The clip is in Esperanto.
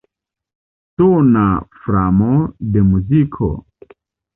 Tona framo de muziko.